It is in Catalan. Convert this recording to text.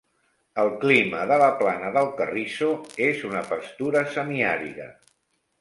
El clima de la Plana del Carrizo és una pastura semiàrida.